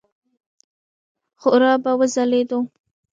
خورا به وځلېدو.